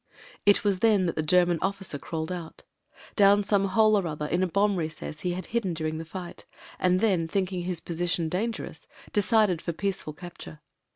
It was then that the German officer crawled out. Down some hole or other in a bomb recess he had hidden during the fight — ^and then, thinking his position dangerous, decided for peaceful capture.